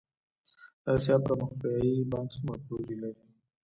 د اسیا پرمختیایی بانک څومره پروژې لري؟